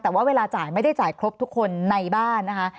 แต่ว่าเวลาจ่ายไม่ได้จ่ายครบทุกคนในบ้านนะคะ